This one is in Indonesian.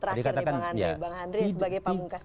terakhir nih bang andre sebagai panggung kasih